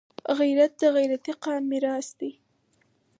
غیرت د غیرتي قام میراث دی